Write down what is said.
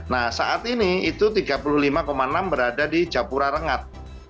nah saat ini itu tiga puluh lima enam berada di japura rengat